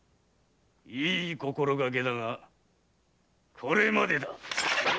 いい心掛けだがこれまでだ！